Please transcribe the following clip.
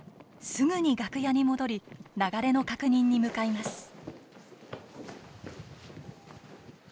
すぐに楽屋に戻り流れの確認に向かいます。